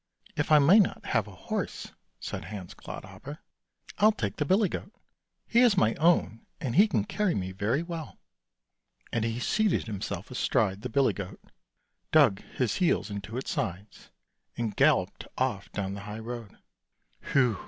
" If I mayn't have a horse," said Hans Clodhopper, " I'll take the billy goat, he is my own and he can carry me very well! " And he seated himself astride the billy goat, dug his heels into its sides, and galloped off down the high road. Whew